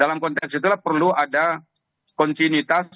dalam konteks itulah perlu ada kontinuitas